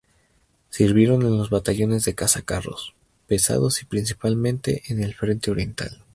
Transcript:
Sirvieron en los batallones de cazacarros pesados y principalmente en el Frente Oriental.